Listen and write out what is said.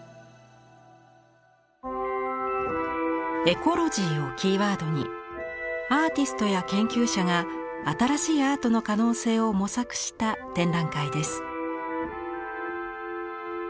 「エコロジー」をキーワードにアーティストや研究者が新しいアートの可能性を模索した展覧会です。